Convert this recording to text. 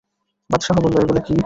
বাদশাহ বলল, এগুলো কি?